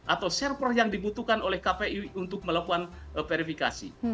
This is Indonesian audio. atau server yang dibutuhkan oleh kpi untuk melakukan verifikasi